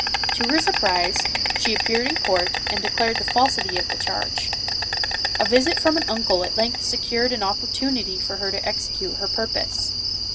To their surprise, she appeared in court, and declared the falsity of the charge. A visit from an uncle at length secured an opportu nity for her to execute her purpose.